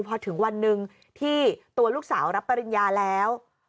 พอถึงวันหนึ่งที่ตัวลูกสาวรับปริญญาแล้ว